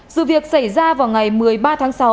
sự việc xảy ra vào ngày một mươi ba tháng sáu